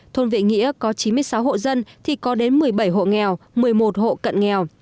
thôn vị nghĩa có chín mươi sáu hộ dân thì có đến một mươi bảy hộ nghèo một mươi một hộ cận nghèo